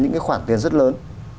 những cái khoản tiền rất lớn